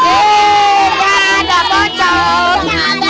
gak ada pocong